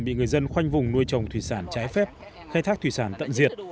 bị người dân khoanh vùng nuôi trồng thủy sản trái phép khai thác thủy sản tận diệt